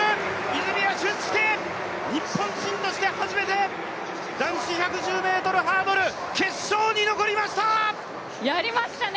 泉谷駿介、日本人して初めて男子１１０ｍハードル、決勝に残りましたね。